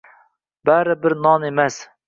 Bari bir non emas.